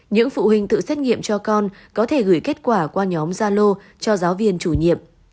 những phụ huynh tự xét nghiệm cho con có thể gửi kết quả qua nhóm gia lô cho giáo viên chủ nhiệm